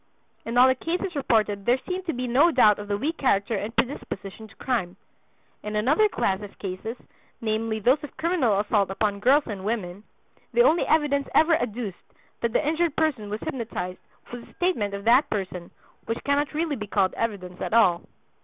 In all the cases reported there seemed to be no doubt of the weak character and predisposition to crime. In another class of cases, namely those of criminal assault upon girls and women, the only evidence ever adduced that the injured person was hypnotized was the statement of that person, which cannot really be called evidence at all.